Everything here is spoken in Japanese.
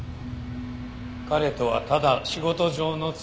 彼とはただ仕事上の付き合い。